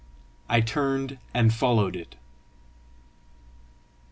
I turned and followed it.